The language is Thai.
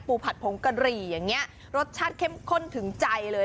ผัดผงกะหรี่อย่างนี้รสชาติเข้มข้นถึงใจเลย